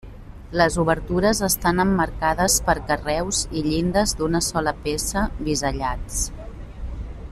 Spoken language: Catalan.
Les obertures estan emmarcades per carreus i llindes d'una sola peça bisellats.